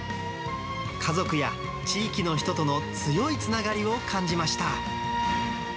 家族や地域の人との強いつながりを感じました。